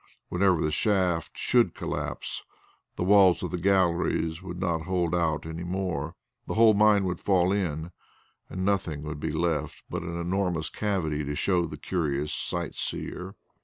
Whenever the shaft should collapse, the walls of the galleries would not hold out any more, the whole mine would fall in, and nothing would be left but an enormous cavity to show the curious sightseer.